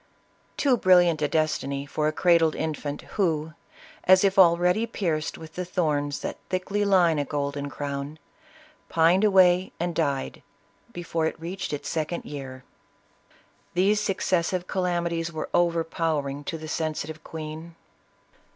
Too brilliant a destiny for a cradled infant, who, as if already pierced with the thorns that thickly line a golden crown, pined away and died, before it reached its second year. These successive calamities were overpowering to the sensitive queen.